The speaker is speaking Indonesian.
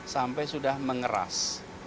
sampai sudah mengeras